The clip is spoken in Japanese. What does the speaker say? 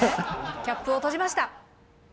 キャップを閉じました。